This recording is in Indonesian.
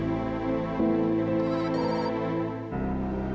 siapa yang mau